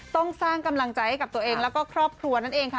ต้องสร้างกำลังใจให้กับตัวเองแล้วก็ครอบครัวนั่นเองค่ะ